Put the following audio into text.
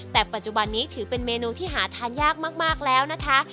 แต่ปัจจุบันนี้ถือเป็นเมนูที่หาทานยากมากแล้วนะคะ